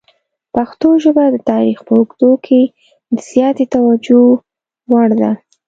پښتو ژبه د تاریخ په اوږدو کې د زیاتې توجه وړ ده.